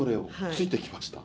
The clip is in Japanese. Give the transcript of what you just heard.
ついてきました？